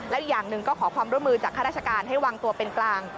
และอีกอย่างหนึ่งก็ขอความร่วมมือจากข้าราชการให้วางตัวเป็นกลาง